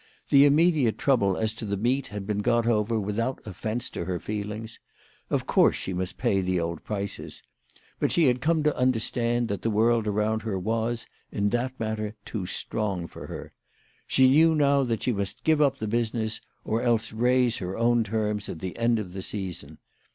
The immediate trouble as to the meat had been got over without offence to her feelings. Of course she must pay the old prices, but she had come to understand that the world around her was, in that matter, too strong for her. She knew now that she must give up the business, or else raise her own terms at the end of the season.